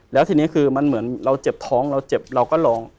แล้วทีนี้คือมันเหมือนเราเจ็บท้องเราเจ็บเราก็ลอง